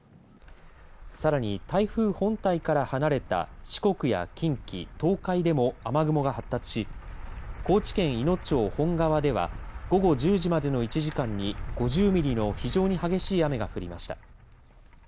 さらに、台風本体から離れた四国や近畿、東海でも雨雲が発達し高知県いの町本川では午後１０時までの１時間に５０ミリの非常に激しい雨が降りました。